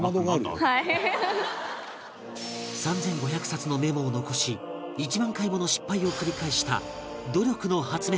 ３５００冊のメモを残し１万回もの失敗を繰り返した